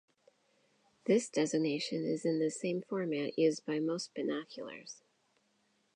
This designation is in the same format used by most binoculars.